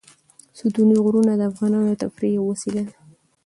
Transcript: ستوني غرونه د افغانانو د تفریح یوه وسیله ده.